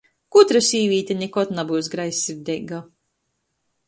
Gudra sīvīte nikod nabyus greizsirdeiga.